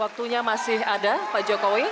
waktunya masih ada pak jokowi